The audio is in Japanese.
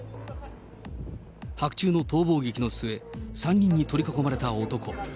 白昼の逃亡劇の末、３人に取り囲まれた男。